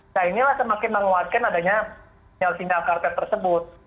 nah inilah semakin menguatkan adanya sinyal sinyal kartel tersebut